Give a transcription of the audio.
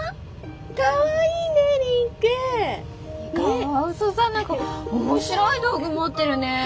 カワウソさん何か面白い道具持ってるね。